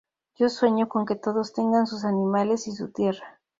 Yo sueño con que todos tengan sus animales y su tierra".